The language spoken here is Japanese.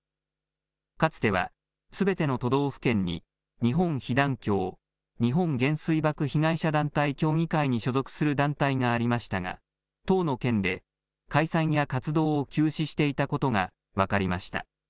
かつては、すべての都道府県に日本被団協・日本原水爆被害者団体協議会に所属する団体がありましたが１０の県で解散や活動を休止していたことが分かりました。